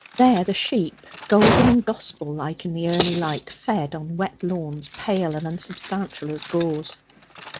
There the sheep, golden, and gospel like in the early light, fed on wet lawns pale and unsubstantial as gauze.